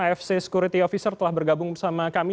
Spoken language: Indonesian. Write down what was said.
afc security officer telah bergabung bersama kami